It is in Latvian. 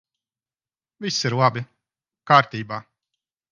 Viss ir labi! Kārtībā!